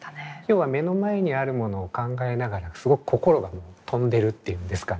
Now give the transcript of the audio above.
要は目の前にあるものを考えながらすごく心が飛んでるっていうんですかね